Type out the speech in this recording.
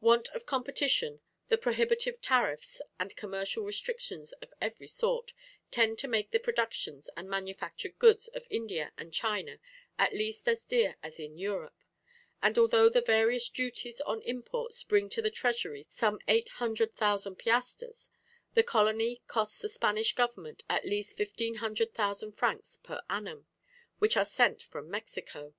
"Want of competition, the prohibitive tariffs, and commercial restrictions of every sort, tend to make the productions and manufactured goods of India and China at least as dear as in Europe; and although the various duties on imports bring to the treasury some eight hundred thousand piastres, the colony costs the Spanish government at least fifteen hundred thousand francs per annum, which are sent from Mexico.